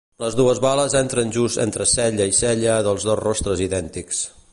Les dues bales entren just entre cella i cella dels dos rostres idèntics.